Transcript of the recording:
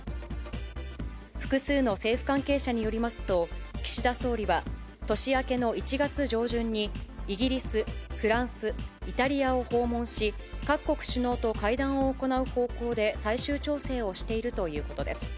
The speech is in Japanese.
複数の政府関係者によりますと、岸田総理は、年明けの１月上旬に、イギリス、フランス、イタリアを訪問し、各国首脳と会談を行う方向で最終調整をしているということです。